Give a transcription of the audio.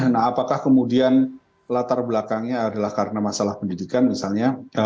nah apakah kemudian latar belakangnya adalah karena masalah pendidikan misalnya